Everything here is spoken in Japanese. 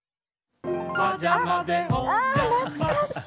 あっあ懐かしい！